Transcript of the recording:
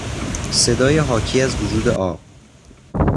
صدای حاکی از وجود آب